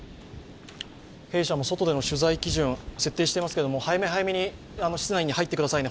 弊社も、外での取材基準設定していますけど早め早めに室内に入ってくださいね。